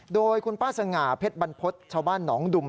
โดยคุณป้าสง่าเพชรบรรพฤษชาวบ้านหนองดุม